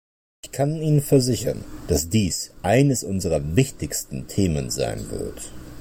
Ich kann Ihnen versichern, dass dies eines unserer wichtigsten Themen sein wird.